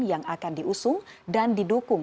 yang akan diusung dan didukung